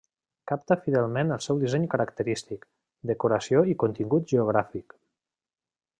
Capta fidelment el seu disseny característic, decoració i contingut geogràfic.